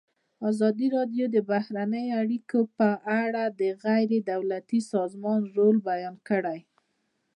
ازادي راډیو د بهرنۍ اړیکې په اړه د غیر دولتي سازمانونو رول بیان کړی.